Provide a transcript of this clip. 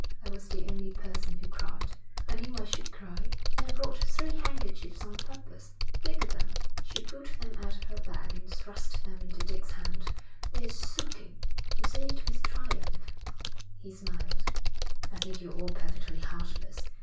I was the only person who cried. I knew I should cry, and I brought three handkerchiefs on purpose. Look at them.' She pulled them out of her bag and thrust them into Dick's hand. 'They're soaking.' 'You say it with triumph,' he smiled. 'I think you're all perfectly heartless.